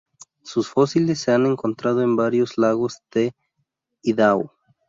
Sus fósiles se han encontrado en varios lagos de Idaho.